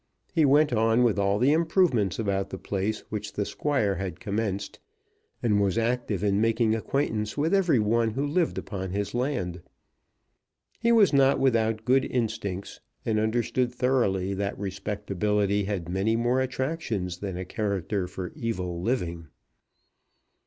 He went on with all the improvements about the place which the Squire had commenced, and was active in making acquaintance with every one who lived upon his land. He was not without good instincts, and understood thoroughly that respectability had many more attractions than a character for evil living.